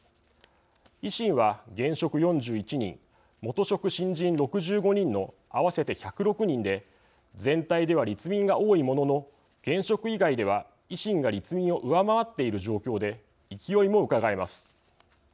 維新は、現職４１人元職・新人６５人の合わせて１０６人で全体では立民が多いものの現職以外では維新が立民を上回っている状況で勢いもうかがえます。